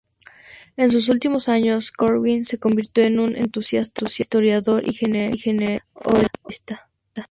En sus últimos años, Corwin se convirtió en un entusiasta historiador y genealogista.